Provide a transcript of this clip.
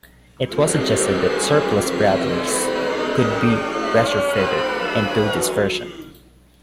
It was suggested that surplus Bradleys could be retrofitted into this version.